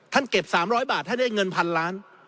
ท่านเก็บ๓๐๐บาทให้ได้เงิน๑๐๐๐ล้าน